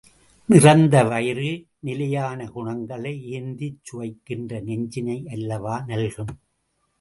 நிறைந்த வயிறு, நிலையான குணங்களை ஏந்திச் சுவைக்கின்ற நெஞ்சினை அல்லவா நல்கும்!